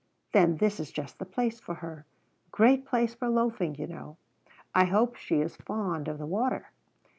"Then this is just the place for her. Great place for loafing, you know. I hope she is fond of the water?"